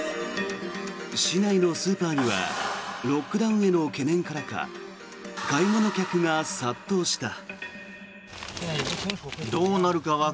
市内のスーパーにはロックダウンへの懸念からか買い物客が殺到した。